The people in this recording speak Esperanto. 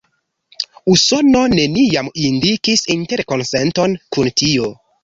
Usono neniam indikis interkonsenton kun tio.